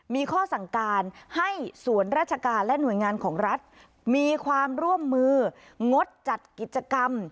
มีข้อสั่งการให้ส่วนราชการและหน่วยงานของรัฐมีความร่วมมืองดจัดกิจกรรม